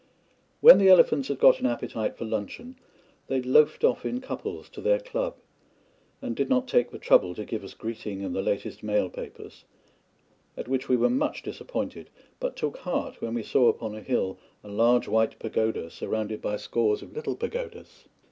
When the elephants had got an appetite for luncheon they loafed off in couples to their club, and did not take the trouble to give us greeting and the latest mail papers; at which we were much disappointed, but took heart when we saw upon a hill a large white pagoda surrounded by scores of little pagodas.